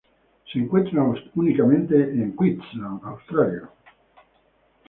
Se encuentra únicamente en Queensland, Australia.